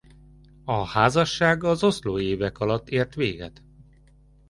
A házasság az oslói évek alatt ért véget.